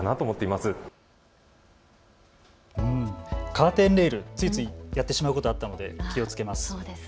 カーテンレール、ついついやってしまうことがあったので気をつけます。